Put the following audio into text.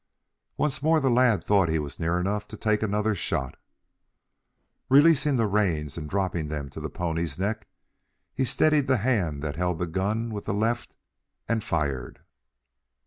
Once more the lad thought he was near enough to take another shot. Releasing the reins and dropping them to the pony's neck, he steadied the hand that held the gun with the left and fired.